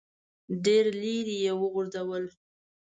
ډېر لیرې یې وغورځول.